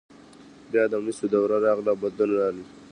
بیا د مسو دوره راغله او بدلون راغی.